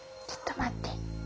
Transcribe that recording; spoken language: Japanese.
ちょっと待って。